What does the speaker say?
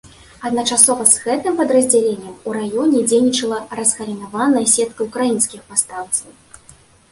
Адначасова з гэтым падраздзяленнем у раёне дзейнічала разгалінаваная сетка ўкраінскіх паўстанцаў.